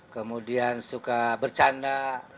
kemudian suka bercanda